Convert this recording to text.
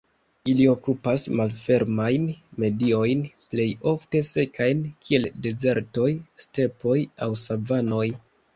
Ili okupas malfermajn mediojn plej ofte sekajn, kiel dezertoj, stepoj aŭ savanoj.